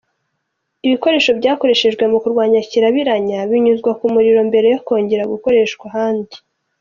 Ibikoresho byakoreshejwe mu kurwanya Kirabiranya binyuzwa ku muriro mbere yo kongera gukoreshwa ahandi.